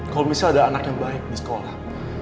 kalau misalnya ada anak yang baik di sekolah